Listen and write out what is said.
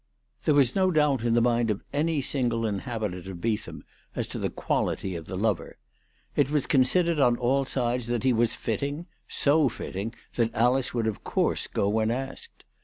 There was no doubt in the mind of any single inhabitant of Beetham as to the quality of the lover. It was considered on all sides that he was fitting, so fitting that Alice would of course go when asked.